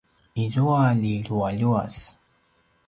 izua ljilualuas